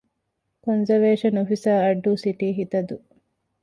ކޮންޒަވޭޝަން އޮފިސަރ - އައްޑޫ ސިޓީ ހިތަދޫ